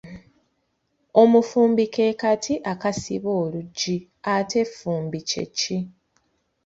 Omufumbi ke kati akasiba oluggi, ate enfumbi kye ki?